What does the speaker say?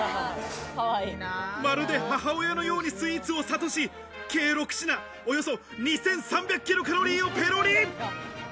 まるで母親のようにスイーツをさとし、計６品およそ２３００ｋｃａｌをペロリ。